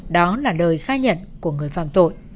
đó là lời khai nhận của người phạm tội